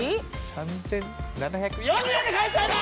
３７４０円で買えちゃいます！